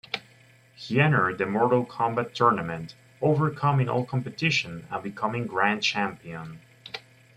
He entered the Mortal Kombat tournament, overcoming all competition and becoming Grand Champion.